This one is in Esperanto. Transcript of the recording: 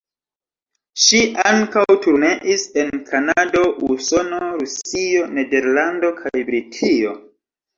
Ŝi ankaŭ turneis en Kanado, Usono, Rusio, Nederlando kaj Britio.